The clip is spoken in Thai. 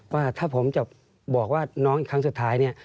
ว่าถ้าผมจะบอกว่าน้องอีกครั้งสุดท้ายเนี่ย